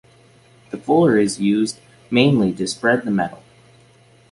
The fuller is used mainly to spread the metal.